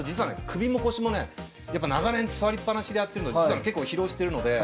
首も腰もねやっぱ長年座りっぱなしでやってるので実は結構疲労してるので。